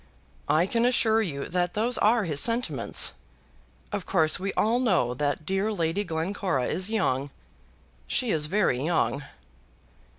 "I can assure you that those are his sentiments. Of course we all know that dear Lady Glencora is young. She is very young."